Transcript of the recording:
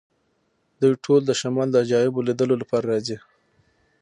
دوی ټول د شمال د عجایبو لیدلو لپاره راځي